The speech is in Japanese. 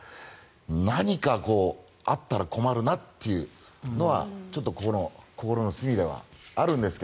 何かあったら困るなっていうのはちょっと心の隅ではあるんですが。